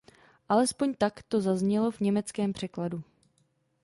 Alespoň tak to zaznělo v německém překladu.